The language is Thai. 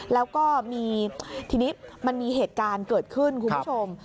แล้วก็มีทีนี้มันมีเหตุการณ์เกิดขึ้นคุณผู้ชม